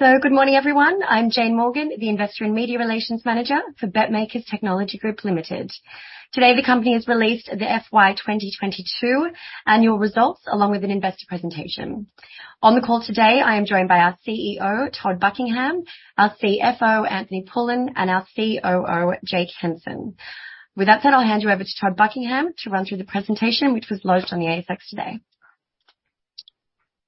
Good morning, everyone. I'm Jane Morgan, the Investor and Media Relations Manager for BetMakers Technology Group Ltd. Today, the company has released the FY 2022 annual results, along with an investor presentation. On the call today, I am joined by our CEO, Todd Buckingham, our CFO, Anthony Pullen, and our COO, Jake Henson. With that said, I'll hand you over to Todd Buckingham to run through the presentation, which was lodged on the ASX today.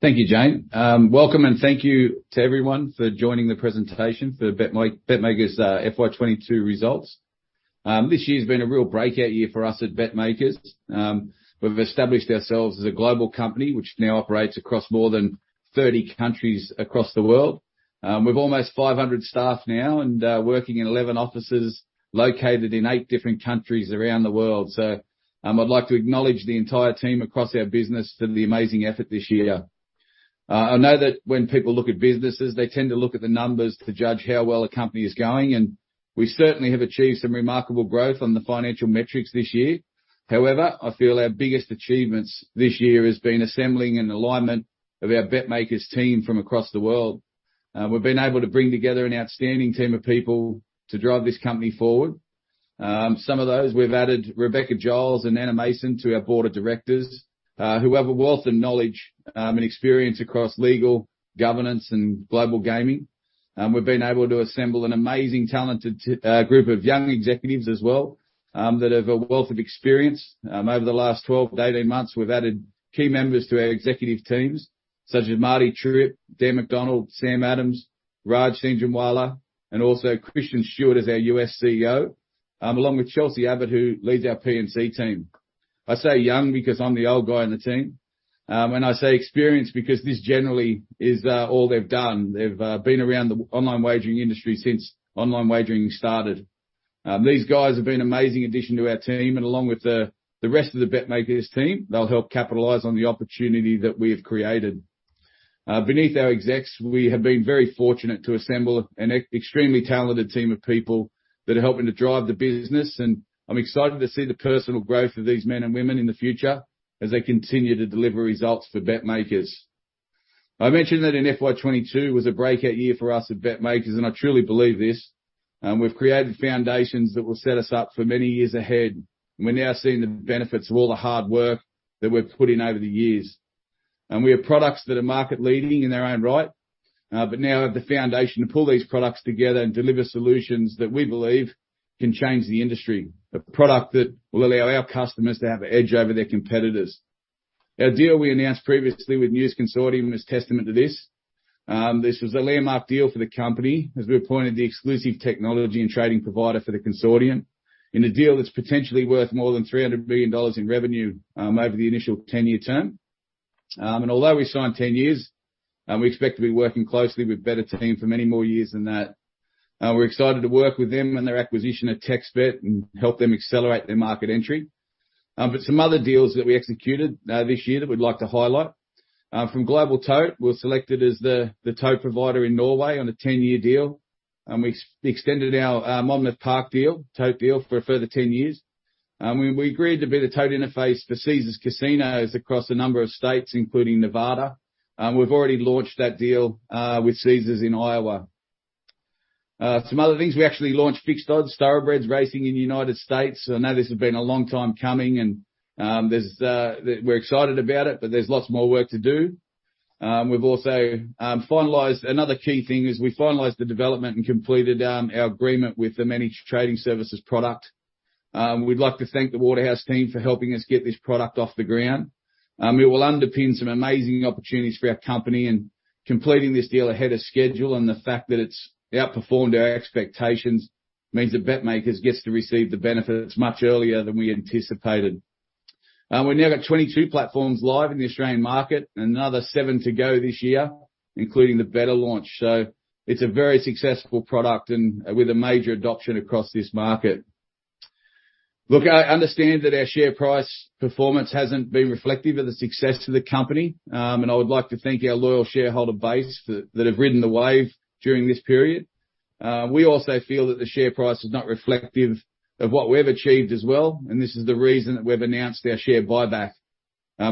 Thank you, Jane. Welcome and thank you to everyone for joining the presentation for BetMakers FY22 results. This year's been a real breakout year for us at BetMakers. We've established ourselves as a global company which now operates across more than 30 countries across the world. We've almost 500 staff now and working in 11 offices located in eight different countries around the world. I'd like to acknowledge the entire team across our business for the amazing effort this year. I know that when people look at businesses, they tend to look at the numbers to judge how well a company is going, and we certainly have achieved some remarkable growth on the financial metrics this year. However, I feel our biggest achievements this year has been assembling an alignment of our BetMakers team from across the world. We've been able to bring together an outstanding team of people to drive this company forward. Some of those we've added Rebekah Giles and Anna Massion to our Board of Directors, who have a wealth of knowledge and experience across legal, governance, and global gaming. We've been able to assemble an amazing, talented group of young executives as well, that have a wealth of experience. Over the last 12-18 months, we've added key members to our executive teams, such as Martin Tripp, Dan MacDonald, Sam Adams, Rajen Sanjanwala, and also Christian Stuart as our U.S. CEO, along with Chelsey Abbott, who leads our P&C team. I say young because I'm the old guy on the team. I say experienced because this generally is all they've done. They've been around the online wagering industry since online wagering started. These guys have been amazing addition to our team and along with the rest of the BetMakers team, they'll help capitalize on the opportunity that we have created. Beneath our execs, we have been very fortunate to assemble an extremely talented team of people that are helping to drive the business, and I'm excited to see the personal growth of these men and women in the future as they continue to deliver results for BetMakers. I mentioned that in FY 2022 was a breakout year for us at BetMakers, and I truly believe this. We've created foundations that will set us up for many years ahead. We're now seeing the benefits of all the hard work that we've put in over the years. We have products that are market leading in their own right, but now have the foundation to pull these products together and deliver solutions that we believe can change the industry. A product that will allow our customers to have an edge over their competitors. Our deal we announced previously with News Corp is testament to this. This was a landmark deal for the company as we were appointed the exclusive technology and trading provider for the consortium in a deal that's potentially worth more than 300 million dollars in revenue, over the initial 10-year term. Although we signed 10 years, we expect to be working closely with betr team for many more years than that. We're excited to work with them and their acquisition of TexBet and help them accelerate their market entry. Some other deals that we executed this year that we'd like to highlight. From Global Tote, we're selected as the tote provider in Norway on a 10-year deal, and we extended our Monmouth Park deal, tote deal for a further 10 years. We agreed to be the tote interface for Caesars casinos across a number of states, including Nevada. We've already launched that deal with Caesars in Iowa. Some other things, we actually launched fixed odds thoroughbred racing in the United States. I know this has been a long time coming and we're excited about it, but there's lots more work to do. Another key thing is we finalized the development and completed our agreement with the Managed Trading Services product. We'd like to thank the Waterhouse team for helping us get this product off the ground. It will underpin some amazing opportunities for our company, and completing this deal ahead of schedule and the fact that it's outperformed our expectations means that BetMakers gets to receive the benefits much earlier than we anticipated. We've now got 22 platforms live in the Australian market, another seven to go this year, including the betr launch. It's a very successful product and with a major adoption across this market. Look, I understand that our share price performance hasn't been reflective of the success of the company, and I would like to thank our loyal shareholder base that have ridden the wave during this period. We also feel that the share price is not reflective of what we've achieved as well, and this is the reason that we've announced our share buy-back.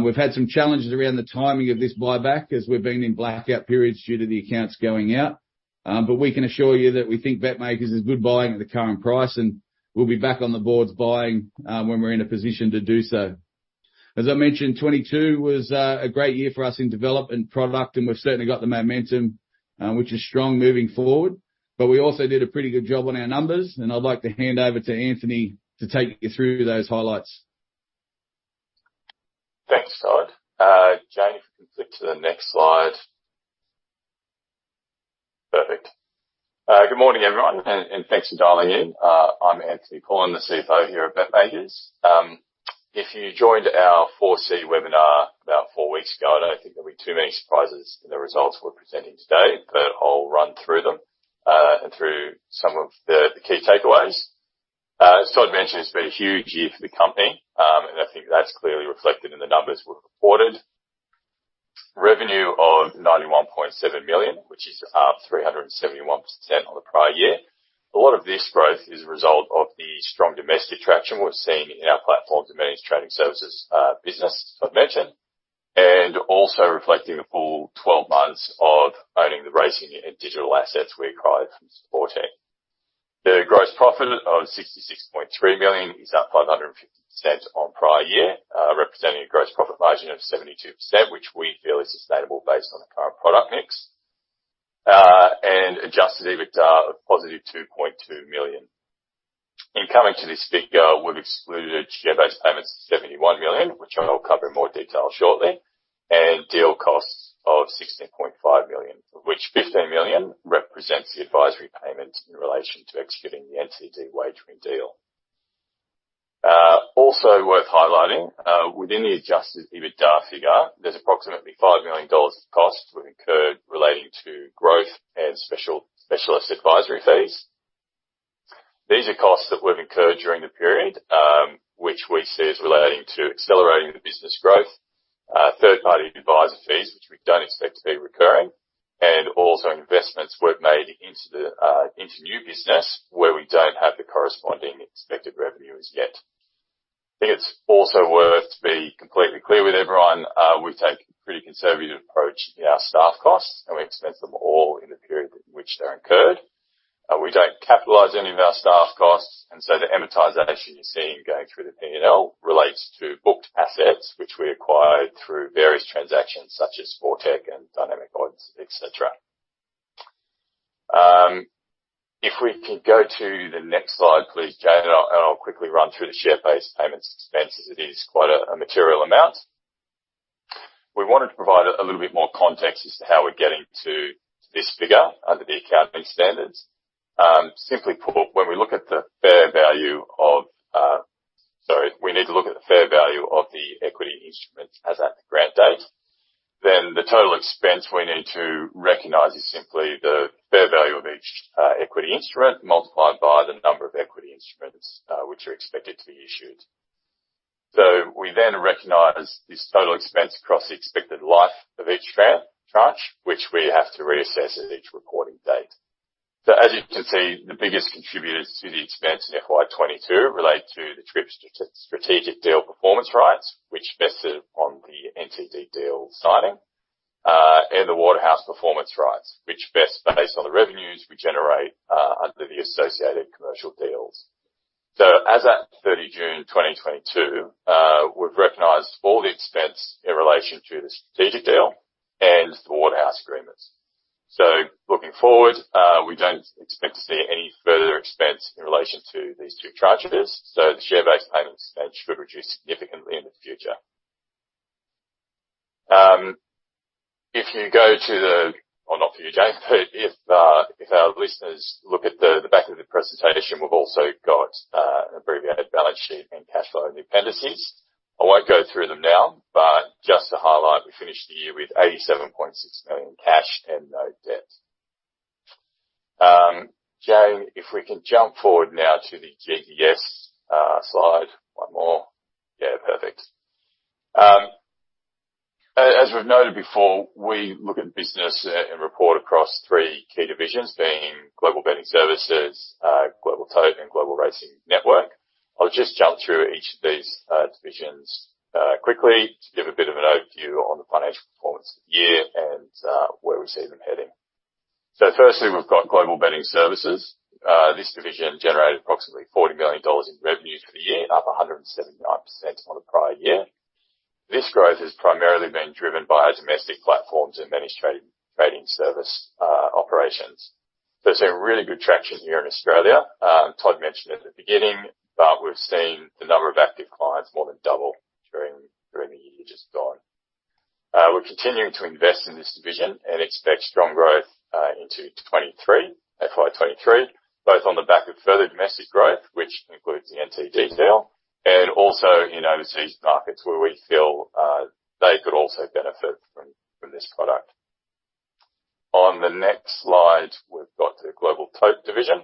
We've had some challenges around the timing of this buy-back as we've been in blackout periods due to the accounts going out. We can assure you that we think BetMakers is good buying at the current price, and we'll be back on the boards buying when we're in a position to do so. As I mentioned, 2022 was a great year for us in product development, and we've certainly got the momentum which is strong moving forward. We also did a pretty good job on our numbers, and I'd like to hand over to Anthony to take you through those highlights. Thanks, Todd. Jane, if you can flip to the next slide. Perfect. Good morning, everyone, and thanks for dialing in. I'm Anthony Pullen, the CFO here at BetMakers. If you joined our 4C webinar about four weeks ago, I don't think there'll be too many surprises in the results we're presenting today. I'll run through them, and through some of the key takeaways. As Todd mentioned, it's been a huge year for the company, and I think that's clearly reflected in the numbers we've reported. Revenue of 91.7 million, which is up 371% on the prior year. A lot of this growth is a result of the strong domestic traction we're seeing in our platforms and Managed Trading Services business I've mentioned, and also reflecting the full 12 months of owning the racing and digital assets we acquired from Sportech. The gross profit of 66.3 million is up 550% on prior year, representing a gross profit margin of 72%, which we feel is sustainable based on the current product mix. Adjusted EBITDA of positive 2.2 million. In coming to this figure, we've excluded share-based payments of 71 million, which I'll cover in more detail shortly, and deal costs of 16.5 million, of which 15 million represents the advisory payment in relation to executing the NTD wagering deal. Also worth highlighting, within the adjusted EBITDA figure, there's approximately $5 million of costs we've incurred relating to growth and specialist advisory fees. These are costs that we've incurred during the period, which we see as relating to accelerating the business growth. Third-party advisor fees, which we don't expect to be recurring, and also investments we've made into new business where we don't have the corresponding expected revenue as yet. I think it's also worth to be completely clear with everyone, we take a pretty conservative approach in our staff costs, and we expense them all in the period in which they're incurred. We don't capitalize any of our staff costs, and so the amortization you're seeing going through the P&L relates to booked assets which we acquired through various transactions such as Sportech and Dynamic Odds, et cetera. If we can go to the next slide, please Jane, and I'll quickly run through the share-based payment expenses. It is quite a material amount. We wanted to provide a little bit more context as to how we're getting to this figure under the accounting standards. Simply put, when we look at the fair value of. We need to look at the fair value of the equity instruments as at the grant date. The total expense we need to recognize is simply the fair value of each equity instrument multiplied by the number of equity instruments which are expected to be issued. We then recognize this total expense across the expected life of each grant tranche, which we have to reassess at each reporting date. As you can see, the biggest contributors to the expense in FY 2022 relate to the Tripp strategic deal performance rights, which vested on the NTD deal signing, and the Waterhouse performance rights, which vest based on the revenues we generate under the associated commercial deals. As at 30 June 2022, we've recognized all the expense in relation to the strategic deal and the Waterhouse agreements. Looking forward, we don't expect to see any further expense in relation to these two tranches. The share-based payment expense should reduce significantly in the future. Or not for you, Jane, but if our listeners look at the back of the presentation, we've also got an abbreviated balance sheet and cash flow in the appendices. I won't go through them now, but just to highlight, we finished the year with 87.6 million cash and no debt. Jane, if we can jump forward now to the GBS slide. One more. Yeah. Perfect. As we've noted before, we look at business and report across three key divisions being Global Betting Services, Global Tote, and Global Racing Network. I'll just jump through each of these divisions quickly to give a bit of an overview on the financial performance of the year and where we see them heading. Firstly, we've got Global Betting Services. This division generated approximately 40 million dollars in revenues for the year, and up 179% on the prior year. This growth has primarily been driven by our domestic platforms and Managed Trading Services operations. We're seeing really good traction here in Australia. Todd mentioned at the beginning, but we've seen the number of active clients more than double during the year just gone. We're continuing to invest in this division and expect strong growth into 2023, FY 2023, both on the back of further domestic growth, which includes the NTD deal, and also in overseas markets where we feel they could also benefit from this product. On the next slide, we've got the Global Tote division.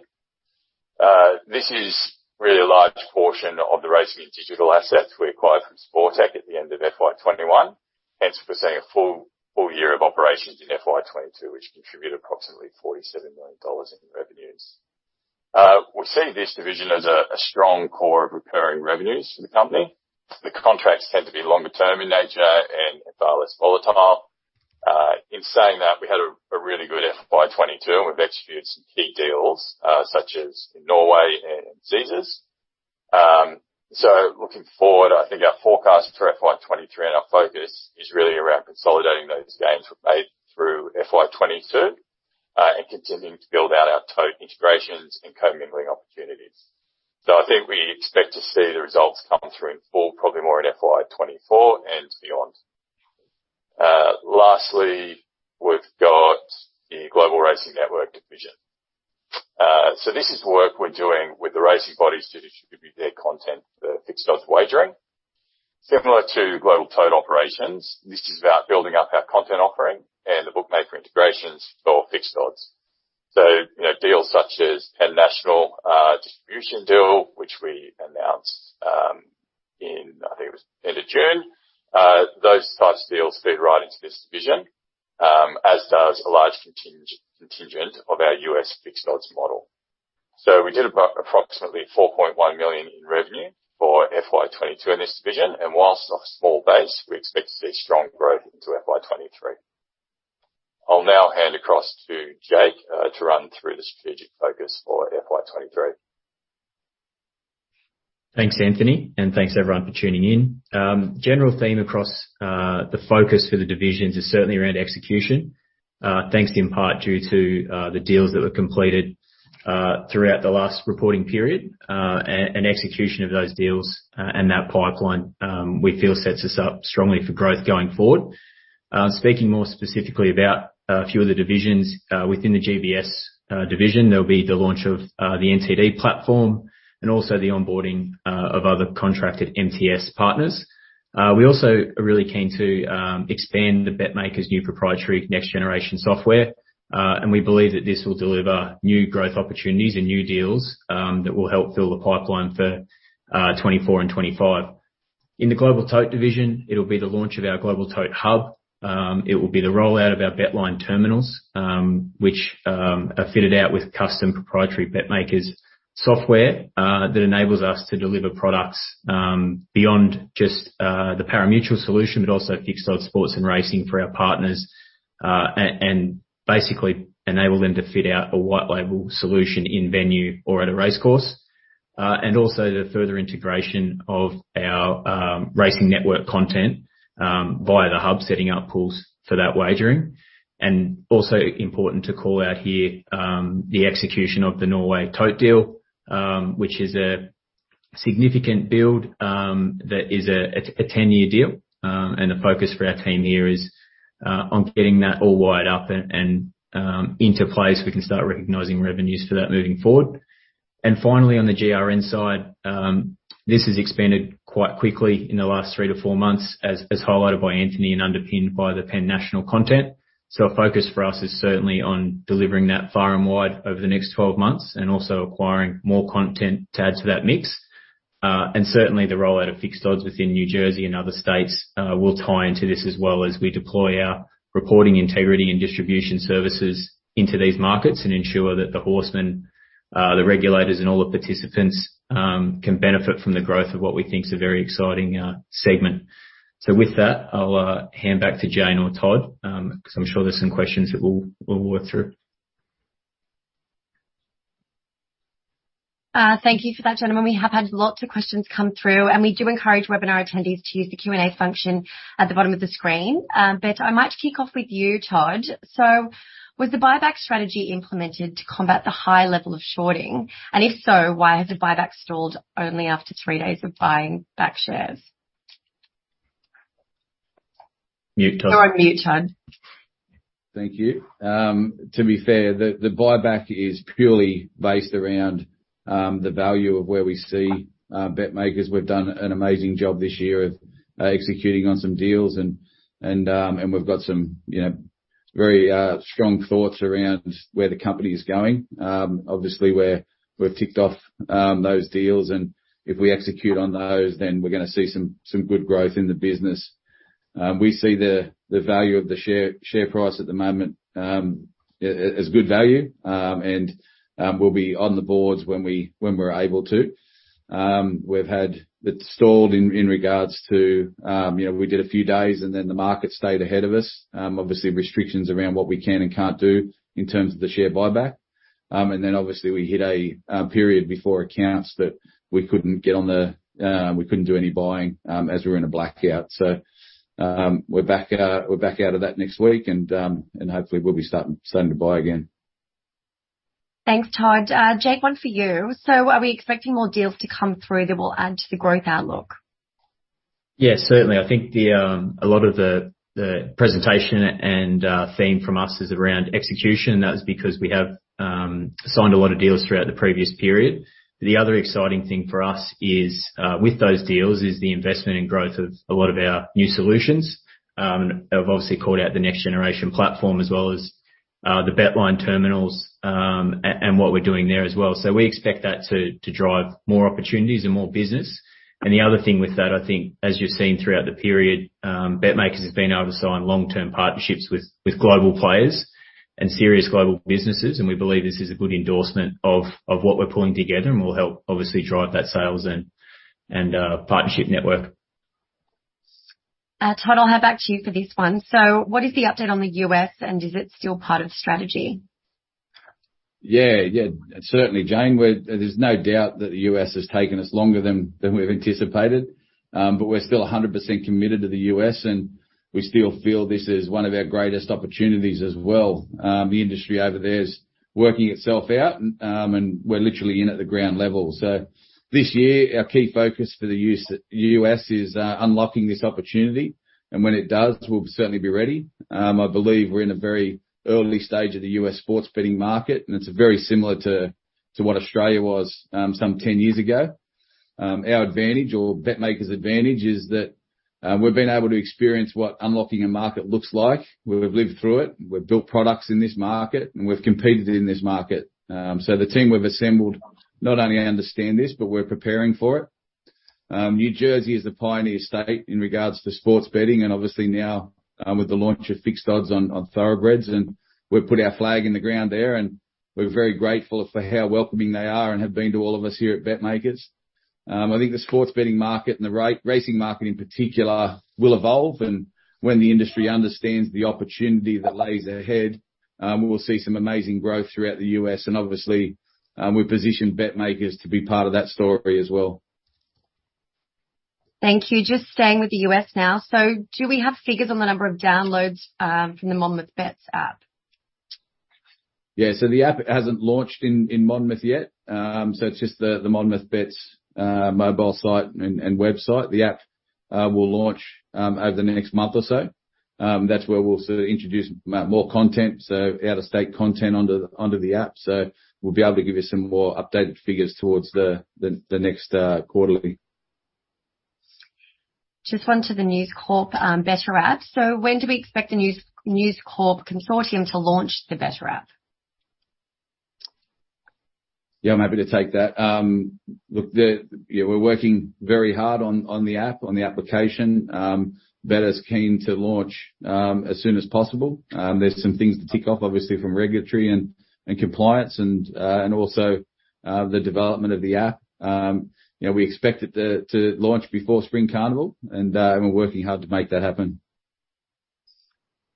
This is really a large portion of the racing and digital assets we acquired from Sportech at the end of FY 2021. Hence, we're seeing a full year of operations in FY 2022, which contribute approximately 47 million dollars in revenues. We see this division as a strong core of recurring revenues for the company. The contracts tend to be longer term in nature and far less volatile. In saying that, we had a really good FY 2022, and we've executed some key deals, such as in Norway and Caesars. Looking forward, I think our forecast for FY 2023 and our focus is really around consolidating those gains we've made through FY 2022, and continuing to build out our tote integrations and co-mingling opportunities. I think we expect to see the results come through in full, probably more in FY 2024 and beyond. Lastly, we've got the Global Racing Network division. This is work we're doing with the racing bodies to distribute their content for fixed odds wagering. Similar to Global Tote operations, this is about building up our content offering and the bookmaker integrations for fixed odds. You know, deals such as our national distribution deal, which we announced. I think it was end of June. Those types of deals feed right into this division, as does a large contingent of our U.S. fixed odds model. We did about approximately 4.1 million in revenue for FY 2022 in this division, and while off a small base, we expect to see strong growth into FY 2023. I'll now hand across to Jake to run through the strategic focus for FY 2023. Thanks, Anthony, and thanks everyone for tuning in. General theme across the focus for the divisions is certainly around execution. Thanks in part due to the deals that were completed throughout the last reporting period, and execution of those deals, and that pipeline, we feel sets us up strongly for growth going forward. Speaking more specifically about a few of the divisions within the GBS division, there'll be the launch of the NTD platform and also the onboarding of other contracted MTS partners. We also are really keen to expand the BetMakers' new proprietary next-generation software, and we believe that this will deliver new growth opportunities and new deals that will help fill the pipeline for 2024 and 2025. In the Global Tote division, it'll be the launch of our Global Tote Hub. It will be the rollout of our BetLine terminals, which are fitted out with custom proprietary BetMakers software that enables us to deliver products beyond just the pari-mutuel solution, but also fixed odds sports and racing for our partners. Basically enable them to fit out a white label solution in venue or at a racecourse. Also the further integration of our Global Racing Network content via the Hub, setting up pools for that wagering. Also important to call out here the execution of the Norway tote deal, which is a significant build that is a 10-year deal. The focus for our team here is on getting that all wired up and into place. We can start recognizing revenues for that moving forward. Finally, on the GRN side, this has expanded quite quickly in the last three to four months as highlighted by Anthony and underpinned by the Penn National Gaming content. Our focus for us is certainly on delivering that far and wide over the next 12 months, and also acquiring more content to add to that mix. Certainly the rollout of fixed odds within New Jersey and other states will tie into this as well as we deploy our reporting, integrity, and distribution services into these markets and ensure that the horsemen, the regulators, and all the participants can benefit from the growth of what we think is a very exciting segment. With that, I'll hand back to Jane or Todd, because I'm sure there's some questions that we'll work through. Thank you for that, gentlemen. We have had lots of questions come through, and we do encourage webinar attendees to use the Q&A function at the bottom of the screen. I might kick off with you, Todd. Was the buy-back strategy implemented to combat the high level of shorting? And if so, why has the buy-back stalled only after three days of buying back shares? Mute, Todd. You're on mute, Todd. Thank you. To be fair, the buy-back is purely based around the value of where we see BetMakers. We've done an amazing job this year of executing on some deals, and we've got some, you know, very strong thoughts around where the company is going. Obviously, we've ticked off those deals, and if we execute on those, then we're gonna see some good growth in the business. We see the value of the share price at the moment as good value. We'll be on the boards when we're able to. We've had it stalled in regards to, you know, we did a few days, and then the market stayed ahead of us. Obviously restrictions around what we can and can't do in terms of the share buy-back. Obviously we hit a period before accounts that we couldn't do any buying as we were in a blackout. We're back out of that next week, and hopefully we'll be starting to buy again. Thanks, Todd. Jake, one for you. Are we expecting more deals to come through that will add to the growth outlook? Yes, certainly. I think a lot of the presentation and theme from us is around execution. That's because we have signed a lot of deals throughout the previous period. The other exciting thing for us is, with those deals, the investment and growth of a lot of our new solutions. I've obviously called out the next generation platform as well as the BetLine terminals and what we're doing there as well. We expect that to drive more opportunities and more business. The other thing with that, I think as you've seen throughout the period, BetMakers has been able to sign long-term partnerships with global players and serious global businesses, and we believe this is a good endorsement of what we're pulling together and will help obviously drive that sales and partnership network. Todd, I'll head back to you for this one. What is the update on the U.S. and is it still part of strategy? Yeah. Yeah, certainly Jane. There's no doubt that the U.S. has taken us longer than we've anticipated. We're still 100% committed to the U.S., and we still feel this is one of our greatest opportunities as well. The industry over there is working itself out, and we're literally in at the ground level. This year, our key focus for the U.S. is unlocking this opportunity, and when it does, we'll certainly be ready. I believe we're in a very early stage of the U.S. sports betting market, and it's very similar to what Australia was some 10 years ago. Our advantage or BetMakers' advantage is that we've been able to experience what unlocking a market looks like. We've lived through it. We've built products in this market, and we've competed in this market. The team we've assembled not only understand this, but we're preparing for it. New Jersey is the pioneer state in regards to sports betting, and obviously now, with the launch of fixed odds on thoroughbreds, and we've put our flag in the ground there, and we're very grateful for how welcoming they are and have been to all of us here at BetMakers. I think the sports betting market and the racing market, in particular, will evolve. When the industry understands the opportunity that lies ahead, we'll see some amazing growth throughout the U.S., and obviously, we've positioned BetMakers to be part of that story as well. Thank you. Just staying with the U.S. now. Do we have figures on the number of downloads, from the Monmouth Bets app? Yeah, the app hasn't launched in Monmouth yet. It's just the Monmouth Bets mobile site and website. The app will launch over the next month or so. That's where we'll sort of introduce more content, so out-of-state content onto the app. We'll be able to give you some more updated figures towards the next quarterly. Just on to the News Corp Betr app. When do we expect the News Corp consortium to launch the Betr app? Yeah, I'm happy to take that. Look, yeah, we're working very hard on the app, on the application. Betr is keen to launch as soon as possible. There's some things to tick off, obviously, from regulatory and compliance and also the development of the app. You know, we expect it to launch before Spring Carnival, and we're working hard to make that happen.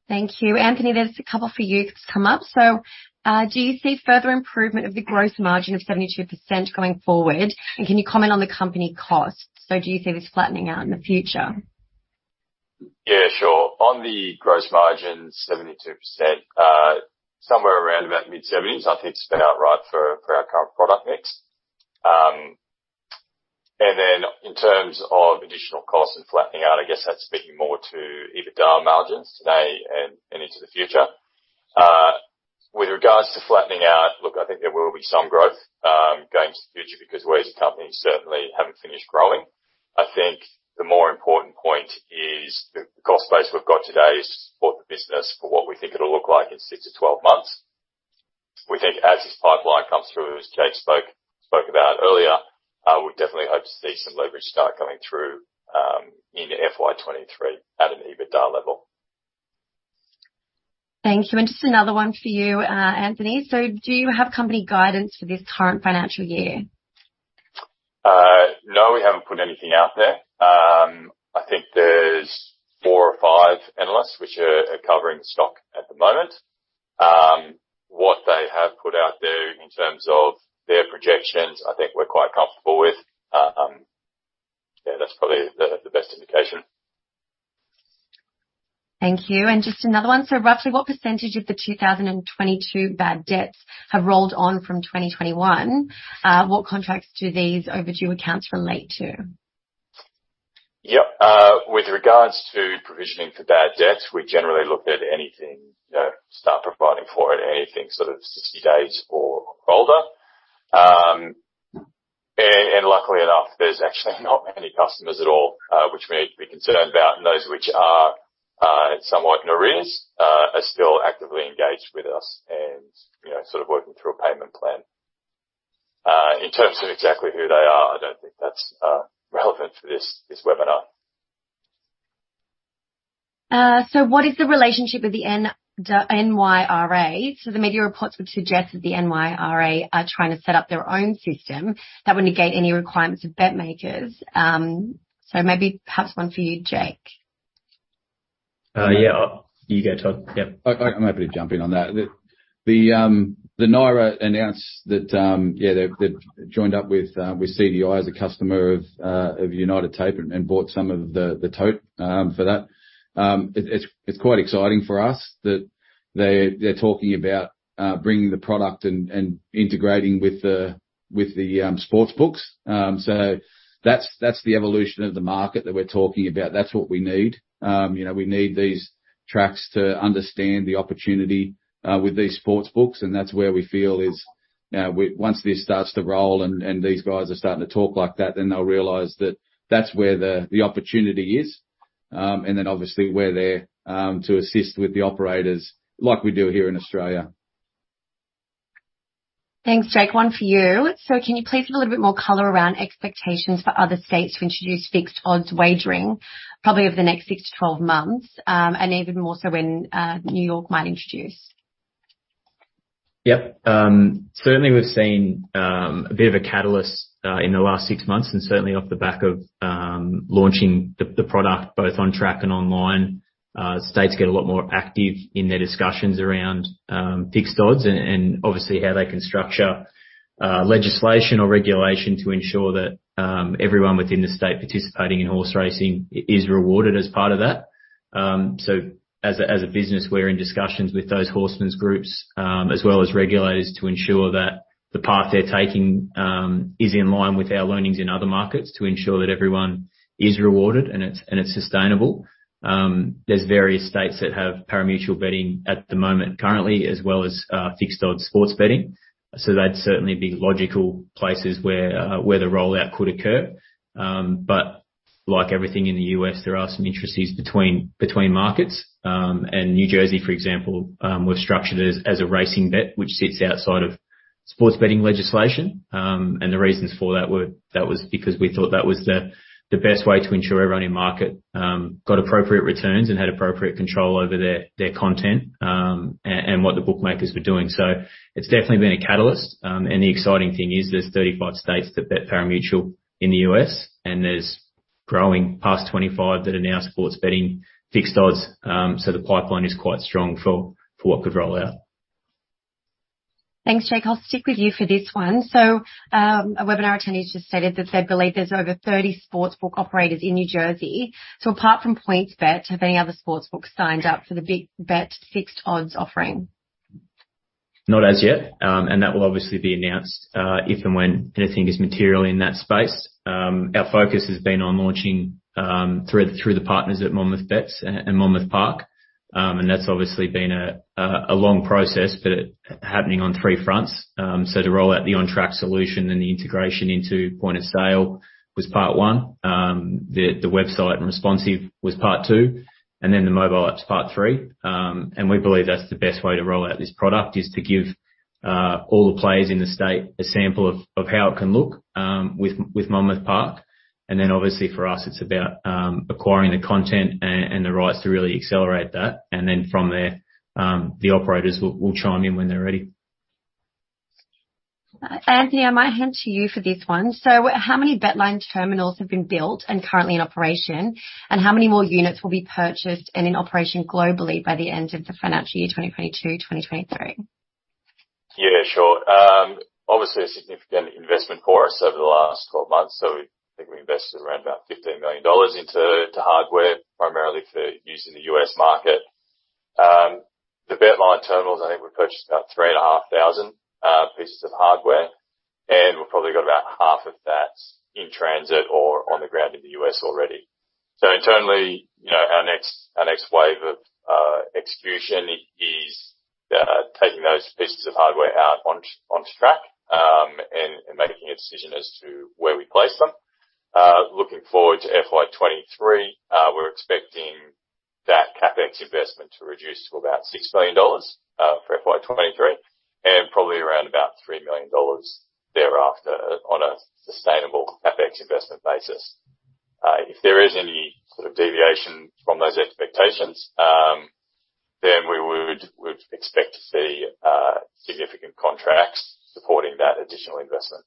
Thank you. Anthony, there's a couple for you that's come up. Do you see further improvement of the gross margin of 72% going forward? Can you comment on the company costs? Do you see this flattening out in the future? Yeah, sure. On the gross margin, 72%, somewhere around about mid-70s, I think is about right for our current product mix. Then in terms of additional costs and flattening out, I guess that's speaking more to EBITDA margins today and into the future. With regards to flattening out, look, I think there will be some growth going into the future because we, as a company, certainly haven't finished growing. I think the more important point is the cost base we've got today is to support the business for what we think it'll look like in 6 to 12 months. We think as this pipeline comes through, as Jake spoke about earlier, we definitely hope to see some leverage start coming through in FY 2023 at an EBITDA level. Thank you. Just another one for you, Anthony. Do you have company guidance for this current financial year? No, we haven't put anything out there. I think there's four or five analysts which are covering the stock at the moment. What they have put out there in terms of their projections, I think we're quite comfortable with. That's probably the best indication. Thank you. Just another one. Roughly, what percentage of the 2022 bad debts have rolled on from 2021? What contracts do these overdue accounts relate to? Yep. With regards to provisioning for bad debt, we generally look at anything, you know, start providing for it sort of 60 days or older. Luckily enough, there's actually not many customers at all, which we're concerned about, and those which are somewhat in arrears are still actively engaged with us and, you know, sort of working through a payment plan. In terms of exactly who they are, I don't think that's relevant for this webinar. What is the relationship with the NYRA? The media reports would suggest that the NYRA are trying to set up their own system. That would negate any requirements of BetMakers. Maybe perhaps one for you, Jake. Yeah. You go, Todd. Yep. I'm happy to jump in on that. The NYRA announced that, yeah, they've joined up with CDI as a customer of United Tote and bought some of the tote for that. It's quite exciting for us that they're talking about bringing the product and integrating with the sportsbooks. That's the evolution of the market that we're talking about. That's what we need. You know, we need these tracks to understand the opportunity with these sportsbooks, and that's where we feel is. Once this starts to roll and these guys are starting to talk like that, then they'll realize that that's where the opportunity is. Obviously we're there to assist with the operators like we do here in Australia. Thanks, Jake. One for you. Can you please put a little bit more color around expectations for other states to introduce fixed odds wagering probably over the next 6-12 months, and even more so when New York might introduce? Yep. Certainly we've seen a bit of a catalyst in the last six months, and certainly off the back of launching the product both on track and online. States get a lot more active in their discussions around fixed odds and obviously how they can structure legislation or regulation to ensure that everyone within the state participating in horse racing is rewarded as part of that. As a business, we're in discussions with those horsemen's groups as well as regulators, to ensure that the path they're taking is in line with our learnings in other markets, to ensure that everyone is rewarded and it's sustainable. There's various states that have pari-mutuel betting at the moment currently, as well as fixed odds sports betting. They'd certainly be logical places where the rollout could occur. Like everything in the U.S., there are some intricacies between markets. New Jersey, for example, was structured as a racing bet, which sits outside of sports betting legislation. The reasons for that were that was because we thought that was the best way to ensure everyone in market got appropriate returns and had appropriate control over their content and what the bookmakers were doing. It's definitely been a catalyst. The exciting thing is there's 35 states that bet pari-mutuel in the U.S. and there's growing past 25 that are now sports betting fixed odds. The pipeline is quite strong for what could roll out. Thanks, Jake. I'll stick with you for this one. A webinar attendee just stated that they believe there's over 30 sportsbook operators in New Jersey. Apart from PointsBet, have any other sportsbooks signed up for the BetMakers fixed odds offering? Not as yet. That will obviously be announced, if and when anything is material in that space. Our focus has been on launching through the partners at Monmouth Bets and Monmouth Park. That's obviously been a long process, but happening on three fronts. To roll out the on-track solution and the integration into point of sale was part one. The website and responsive was part two, and then the mobile app's part three. We believe that's the best way to roll out this product, is to give all the players in the state a sample of how it can look with Monmouth Park. Then obviously for us, it's about acquiring the content and the rights to really accelerate that. From there, the operators will chime in when they're ready. Anthony, I might hand to you for this one. How many BetLine terminals have been built and currently in operation, and how many more units will be purchased and in operation globally by the end of the financial year 2022, 2023? Yeah, sure. Obviously, a significant investment for us over the last 12 months. I think we invested around about $15 million into hardware, primarily for use in the U.S. market. The BetLine terminals, I think we purchased about 3,500 pieces of hardware, and we've probably got about half of that in transit or on the ground in the U.S. already. Internally, you know, our next wave of execution is taking those pieces of hardware out on track and making a decision as to where we place them. Looking forward to FY 2023, we're expecting that CapEx investment to reduce to about $6 million for FY 2023, and probably around about $3 million thereafter on a sustainable CapEx investment basis. If there is any sort of deviation from those expectations, then we'd expect to see significant contracts supporting that additional investment.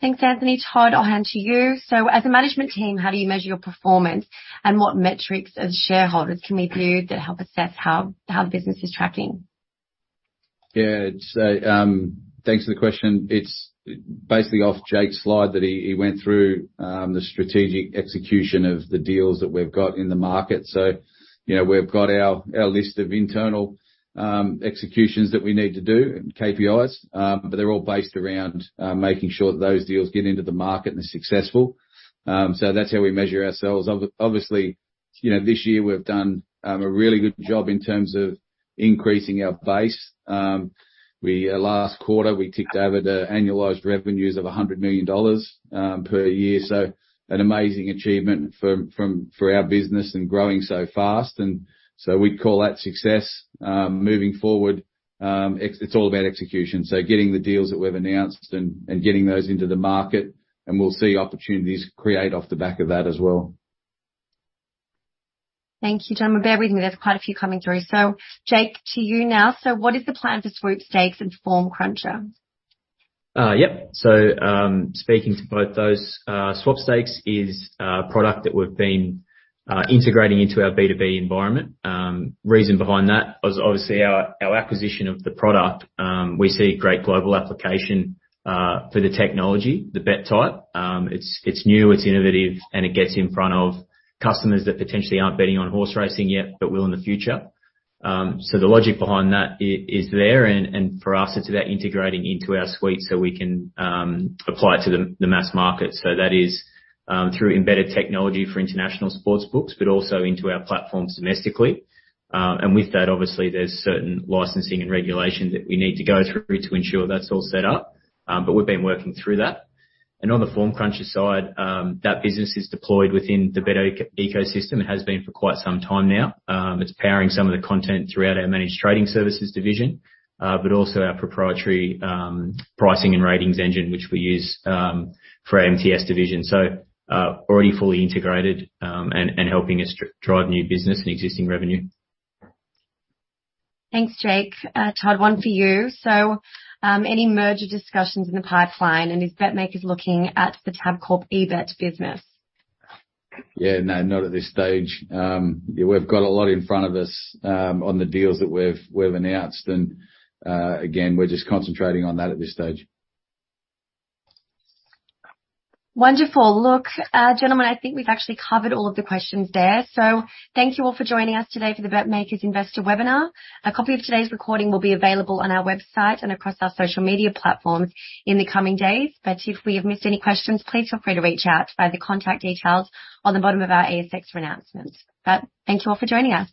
Thanks, Anthony. Todd, I'll hand to you. As a management team, how do you measure your performance, and what metrics as shareholders can we view that help assess how the business is tracking? Yeah. It's thanks for the question. It's basically off Jake's slide that he went through, the strategic execution of the deals that we've got in the market. You know, we've got our list of internal executions that we need to do and KPIs, but they're all based around making sure that those deals get into the market and are successful. That's how we measure ourselves. Obviously, you know, this year we've done a really good job in terms of increasing our base. Last quarter, we ticked over to annualized revenues of 100 million dollars per year. An amazing achievement for our business and growing so fast. We'd call that success. Moving forward, it's all about execution. Getting the deals that we've announced and getting those into the market, and we'll see opportunities create off the back of that as well. Thank you. Gentlemen, bear with me. There's quite a few coming through. Jake, to you now. What is the plan for Swopstakes and FormCruncher? Yep. Speaking to both those, Swopstakes is a product that we've been integrating into our B2B environment. Reason behind that is obviously our acquisition of the product. We see great global application for the technology, the bet type. It's new, it's innovative, and it gets in front of customers that potentially aren't betting on horse racing yet, but will in the future. The logic behind that is there, and for us, it's about integrating into our suite so we can apply it to the mass market. That is through embedded technology for international sports books, but also into our platforms domestically. With that, obviously there's certain licensing and regulation that we need to go through to ensure that's all set up. We've been working through that. On the FormCruncher side, that business is deployed within the B2B ecosystem. It has been for quite some time now. It's powering some of the content throughout our Managed Trading Services division, but also our proprietary pricing and ratings engine, which we use for our MTS division. Already fully integrated, and helping us drive new business and existing revenue. Thanks, Jake. Todd, one for you. Any merger discussions in the pipeline, and is BetMakers looking at the Tabcorp eBet business? Yeah, no, not at this stage. Yeah, we've got a lot in front of us on the deals that we've announced. Again, we're just concentrating on that at this stage. Wonderful. Look, gentlemen, I think we've actually covered all of the questions there. Thank you all for joining us today for the BetMakers Investor Webinar. A copy of today's recording will be available on our website and across our social media platforms in the coming days. If we have missed any questions, please feel free to reach out via the contact details on the bottom of our ASX for announcements. Thank you all for joining us.